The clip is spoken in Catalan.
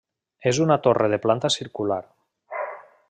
És una torre de planta circular.